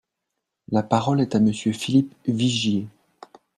La parole est à Monsieur Philippe Vigier.